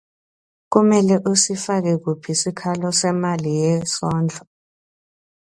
Kumele usifake kuphi sikhalo semali yesondlo?